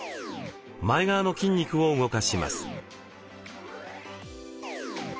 前側の筋肉を動かします。